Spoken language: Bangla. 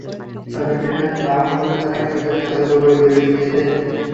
তবে ট্রেন আসার আভাস পেলে তাঁরা ক্রেতাদের সতর্ক করে দূরে সরিয়ে দেন।